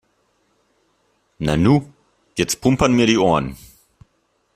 Nanu, jetzt pumpern mir die Ohren.